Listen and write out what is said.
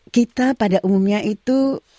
kita pada umumnya itu